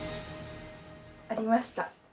ありました。